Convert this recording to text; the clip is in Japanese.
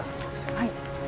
はい。